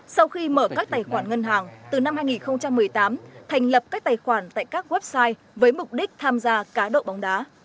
sau khi mở các tài khoản ngân hàng từ năm hai nghìn một mươi tám thành lập các tài khoản tại các website với mục đích tham gia cá độ bóng đá